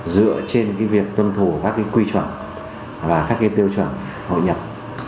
dựa trên việc tuân thủ các quy chuẩn và các tiêu chuẩn hội nhập